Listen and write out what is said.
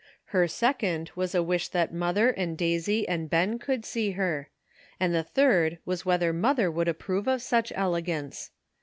Her second was a wish that mother and Daisy and Ben could see her ; and the third was whether mother would approve of such elegance.